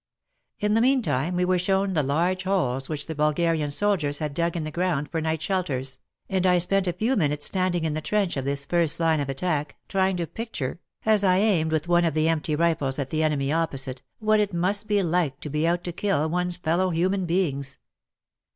In the meantime we were shown the large holes which the Bulgarian soldiers had dug in the ground for night shelters, and 1 spent a few minutes standing in the trench of this first line of attack, trying to picture, as I aimed with one of the empty rifles at the enemy opposite, what WAR AND WOMEN 201 it must feel like to be out to kill one's fellow human beings.